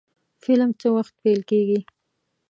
فلم څه وخت پیل کیږي؟